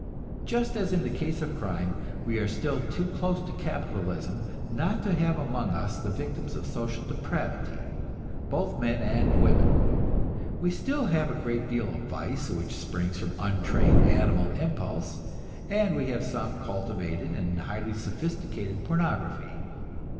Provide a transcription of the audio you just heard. Just as in the case of crime, we are still too close to capitalism not to have among us the victims of social depravity, both men and women. We still have a great deal of vice which springs from untrained animal impulse, and we have some cultivated and highly sophisticated pornography.